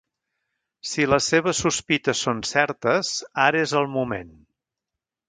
Si les seves sospites són certes, ara és el moment.